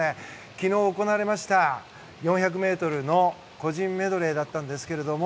昨日、行われました４００ｍの個人メドレーだったんですけれども